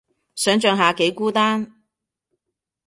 想像下幾孤單